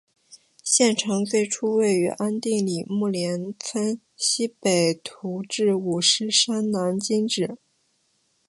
县城最初位于安定里木连村溪北徙治五狮山南今址。